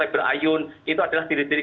berayun itu adalah diri diri